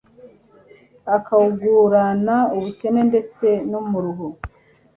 akawugurana ubukene ndetse n'umuruho.